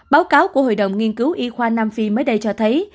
báo cáo của hội đồng nghiên cứu y khoa nam phi mới đây cho thấy